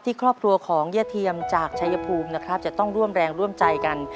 ครอบครัวของย่าเทียมจากชายภูมินะครับจะต้องร่วมแรงร่วมใจกัน